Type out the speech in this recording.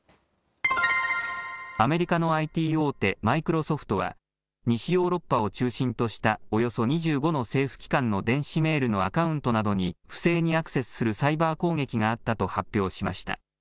アメリカのＩＴ大手、マイクロソフトは、西ヨーロッパを中心とした、およそ２５の政府機関の電子メールのアカウントなどに不正にアクセスするサイバー攻撃があったと発表しました。